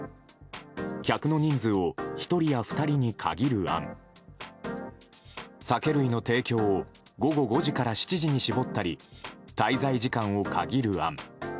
客の人数を１人や２人に限る案酒類の提供を午後５時から７時に絞ったり滞在時間を限る案。